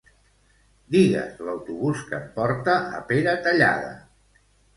Digues l'autobús que em porta a Peratallada.